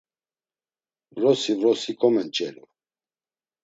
Vrosi vrosi komenç̌elu.